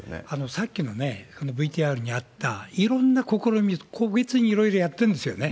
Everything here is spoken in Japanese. さっきのＶＴＲにあった、いろんな試み、個別にいろいろやってんですよね。